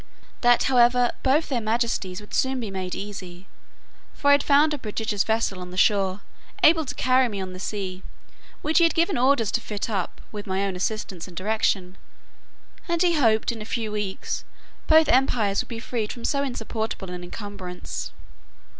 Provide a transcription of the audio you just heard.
That, however, both their majesties would soon be made easy; for I had found a prodigious vessel on the shore, able to carry me on the sea, which he had given orders to fit up, with my own assistance and direction; and he hoped, in a few weeks, both empires would be freed from so insupportable an encumbrance."